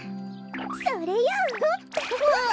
それよ！あっ！？